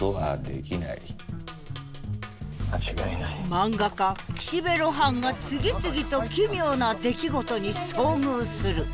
漫画家岸辺露伴が次々と「奇妙」な出来事に遭遇する。